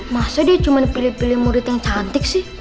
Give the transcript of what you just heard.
maksudnya dia cuma pilih pilih murid yang cantik sih